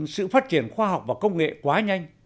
sự phát triển khoa học và công nghệ quá nhanh